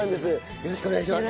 よろしくお願いします。